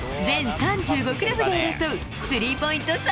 全３５クラブで争うスリーポイント